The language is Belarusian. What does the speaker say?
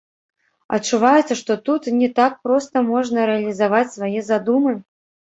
Адчуваецца, што тут не так проста можна рэалізаваць свае задумы?